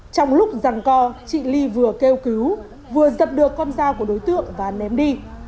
trong lúc rằn co chị ly vừa kêu cứu vừa dập được con dao của đối tượng và ném đi